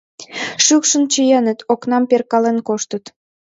Шӱкшын чиеныт, окнам перкален коштыт.